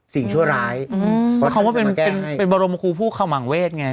สิ่งชั่วร้ายอืมแล้วเขาบอกว่าเป็นเป็นเป็นบรมคุณผู้คำหว่างเวทไง